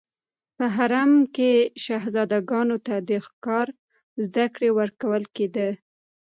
په حرم کې شهزادګانو ته د ښکار زده کړه ورکول کېده.